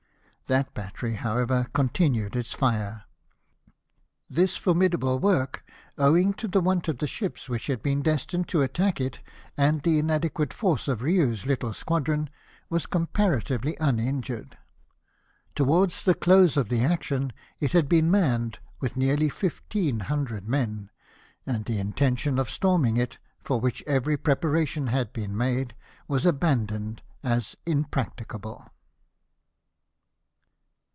That battery, however, continued its fire. This formidable work, owing to the want of the ships which had been destined to attack it, and the madequate force of Eiou's Uttle squadron, was comparatively uninjured. Towards the close of the action it had been manned with nearly fifteen hundred men ; and the intention of storming it, for which every preparation had been made, was abandoned as impracticable.